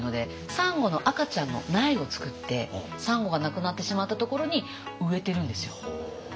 サンゴの赤ちゃんの苗を作ってサンゴがなくなってしまったところに植えてるんですよ。